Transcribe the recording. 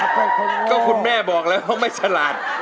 ภูมิก็ไม่ฉลาด